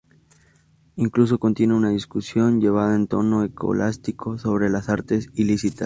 Incluso contiene una discusión, llevada en tono escolástico, sobre las artes ilícitas.